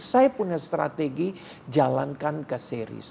saya punya strategi jalankan ke seri